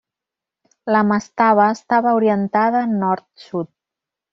La mastaba estava orientada nord-sud.